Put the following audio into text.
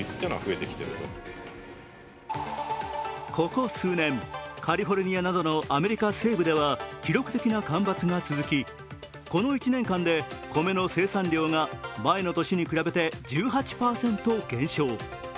ここ数年、カリフォルニアなどのアメリカ西部では記録的な干ばつが続き、この１年間で米の生産量が前の年に比べて１８％減少。